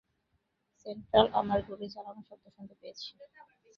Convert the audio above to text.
Central, আমরা গুলি চালানো শব্দ শুনতে পেয়েছি।